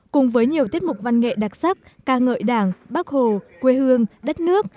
cùng với nhiều tiết mục văn nghệ đặc sắc ca ngợi đảng bác hồ quê hương đất nước